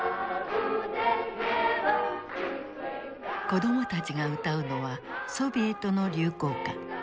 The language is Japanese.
子供たちが歌うのはソビエトの流行歌。